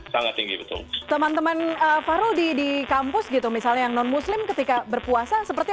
sangat tinggi betul teman teman farul di kampus gitu misalnya yang non muslim ketika berpuasa seperti